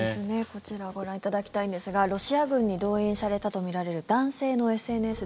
こちらご覧いただきたいんですがロシア軍に動員されたとみられる男性のＳＮＳです。